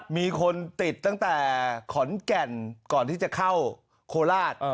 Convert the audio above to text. มีคนติดตั้งแต่ขอนแก่นก่อนที่จะเข้าโคราช